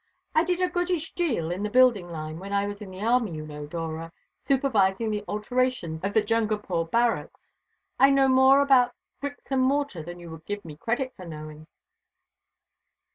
I did a goodish deal in the building line when I was in the army, you know, Dora, supervising the alterations of the Jungapore barracks. I know more about bricks and mortar than you would give me credit for knowing."